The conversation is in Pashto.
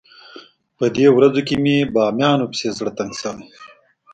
په دې ورځو کې مې بامیانو پسې زړه تنګ شوی.